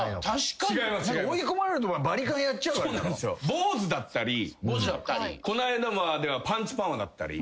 坊主だったりこの間まではパンチパーマだったり。